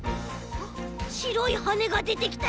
あっしろいはねがでてきたよ！